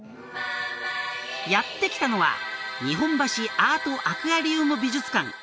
やって来たのは日本橋アートアクアリウム美術館